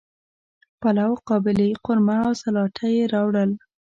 پلاو، قابلی، قورمه او سلاطه یی راوړل